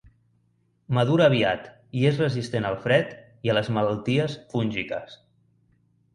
Madura aviat i és resistent al fred i a les malalties fúngiques.